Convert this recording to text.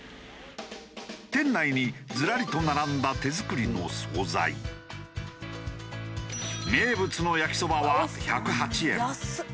店内にずらりと並んだ名物のやきそばは１０８円。